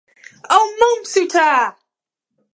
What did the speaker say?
o monsuta!